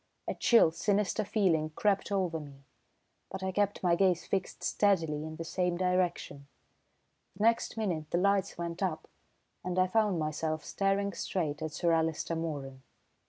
A chill, sinister feeling crept over me, but I kept my gaze fixed steadily in the same direction. The next minute the lights went up, and I found myself staring straight at Sir Alister Moeran.